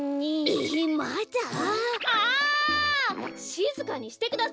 しずかにしてください！